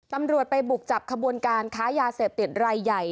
ตำรวจไปบุกจับคอบคลวงคอนค้ายาเศษติฤจรายใหญ่